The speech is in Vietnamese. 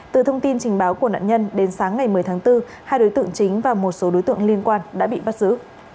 từ thông tin trình báo của nạn nhân đến sáng ngày một mươi tháng bốn hai đối tượng chính và một số đối tượng liên quan đã bị bắt giữ